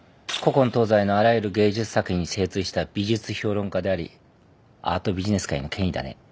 古今東西のあらゆる芸術作品に精通した美術評論家でありアートビジネス界の権威だね。